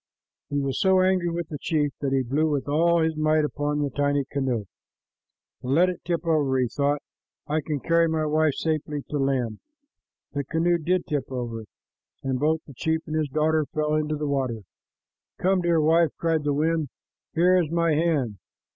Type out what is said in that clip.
He was so angry with the chief that he blew with all his might upon the tiny canoe. "Let it tip over," he thought. "I can carry my wife safely to land." The canoe did tip over, and both the chief and his daughter fell into the water. "Come, dear wife," cried the wind. "Here is my hand."